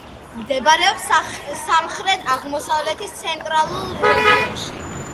მდებარეობს სამხრეთ-აღმოსავლეთის ცენტრალურ რეგიონში.